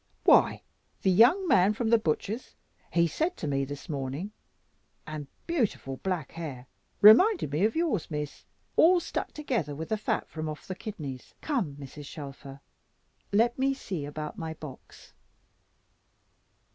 "Why the young man from the butcher's, he said to me this morning, and beautiful black hair reminded me of yours, Miss, all stuck together with the fat from off the kidneys " "Come, Mrs. Shelfer, let me see about my box."